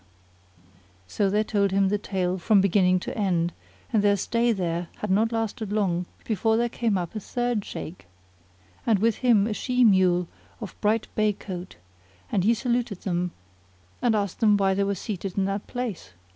"[FN#43] So they told him the tale from beginning to end, and their stay there had not lasted long before there came up a third Shaykh, and with him a she mule of bright bay coat; and he saluted them and asked them why they were seated in that place.